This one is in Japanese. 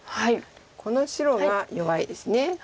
この白が弱いです。